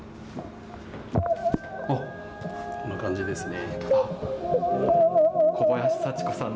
こんな感じですね。